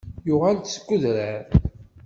Yuɣal-d seg udrar.